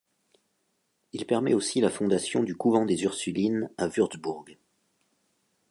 Il permet aussi la fondation du couvent des Ursulines à Würzburg.